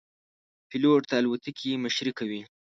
پیلوټ د الوتکې مشري کوي.